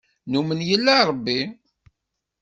Numen yella Ṛebbi.